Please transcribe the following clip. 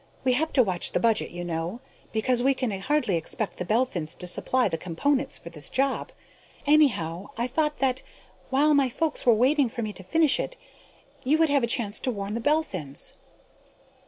We have to watch the budget, you know, because we can hardly expect the Belphins to supply the components for this job. Anyhow, I thought that, while my folks were waiting for me to finish it, you would have a chance to warn the Belphins."